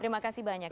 terima kasih banyak